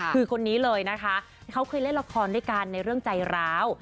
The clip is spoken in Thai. คือคนนี้เลยนะคะเขาเคยเล่นละครด้วยกันในเรื่องใจร้าว